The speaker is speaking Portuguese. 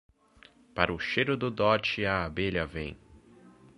Para o cheiro do dote, a abelha vem.